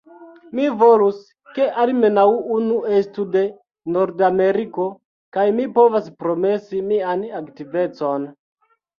Mi volus, ke almenaŭ unu estu de Nordameriko, kaj mi povas promesi mian aktivecon.